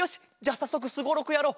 さっそくすごろくやろう。